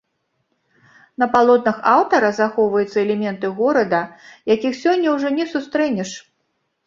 На палотнах аўтара захоўваюцца элементы горада, якіх сёння ўжо не сустрэнеш.